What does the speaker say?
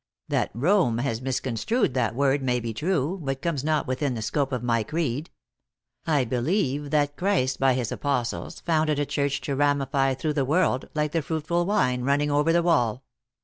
That Rome has misconstrued that word, may be true, but comes not within the scope of my creed. I believe that Christ by his Apostles founded a church to ramify through the world, like the fruitful vine running over the wall.